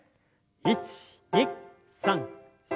１２３４。